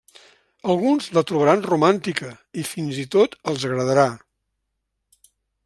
Alguns la trobaran romàntica i fins i tot els agradarà.